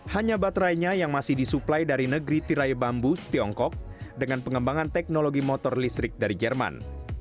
hanya baterainya yang masih disuplai dari negeri tirai bambu tiongkok dengan pengembangan teknologi motor listrik dari jerman